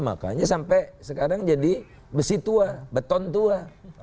makanya sampai sekarang jadi besi tua beton tua